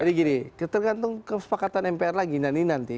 jadi gini tergantung kesepakatan mpr lagi nanti nanti